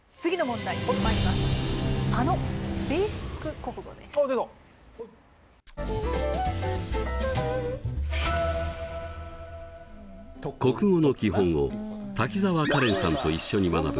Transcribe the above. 国語の基本を滝沢カレンさんと一緒に学ぶ